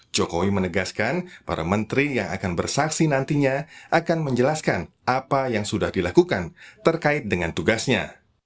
jokowi menegaskan para menteri yang akan bersaksi nantinya akan menjelaskan apa yang sudah dilakukan terkait dengan tugasnya